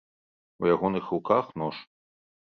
У ягоных руках нож.